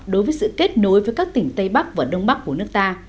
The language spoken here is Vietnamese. đối với sự kết nối với các tỉnh tây bắc và đông bắc của nước ta